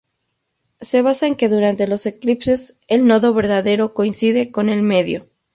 Se basa en que durante los eclipses el Nodo verdadero coincide con el medio.